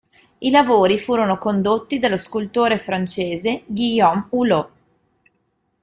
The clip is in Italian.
I lavori furono condotti dallo scultore francese Guillaume Hulot.